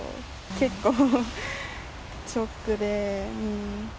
結構、ショックで。